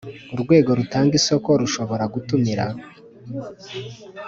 Urwego rutanga isoko rushobora gutumira